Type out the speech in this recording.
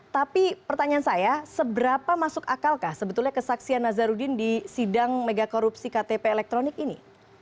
tapi pertanyaan saya seberapa masuk akalkah sebetulnya kesaksian nazarudin di sidang megakorupsi ktp elektronik ini